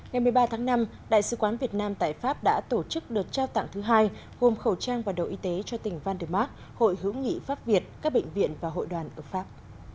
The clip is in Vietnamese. ngày một mươi ba tháng năm đại sứ quán việt nam tại pháp đã tổ chức đợt trao tặng thứ hai gồm khẩu trang và đồ y tế cho tỉnh vanderma hội hữu nghị pháp việt các bệnh viện và hội đoàn ở pháp